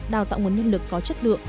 đào tạo nguồn nhân lực có chất lượng